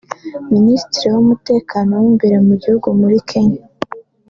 Minisitiri w’Umutekano w’imbere mu gihugu muri Kenya